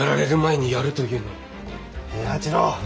平八郎。